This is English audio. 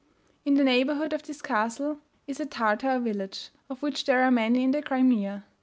In the neighbourhood of the castle is a Tartar village, of which there are many in the Crimea.